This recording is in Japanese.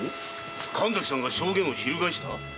神崎さんが証言を翻した？